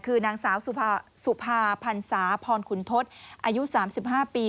คือนางสาวสุภาพันธ์สาวพรขุนทศอายุสามสิบห้าปี